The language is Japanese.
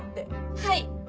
はい。